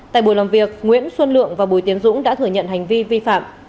tại buổi làm việc nguyễn xuân lượng và bùi tiến dũng đã thừa nhận hành vi vi phạm